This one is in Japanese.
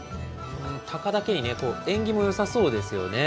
たかだけにね、縁起もよさそうですよね。